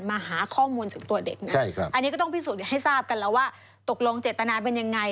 มาหาข้อมูลถึงตัวเด็กนะอันนี้ก็ต้องพิสูจน์ให้ทราบกันแล้วว่าตกลงเจตนาเป็นยังไง